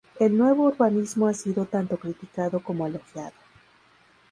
El nuevo urbanismo ha sido tanto criticado como elogiado.